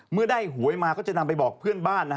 เมื่อได้หวยมาก็จะนำไปบอกเพื่อนบ้าน